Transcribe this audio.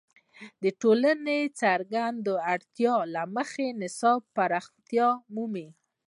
د ټولنې د څرګندو اړتیاوو له مخې نصاب پراختیا مومي.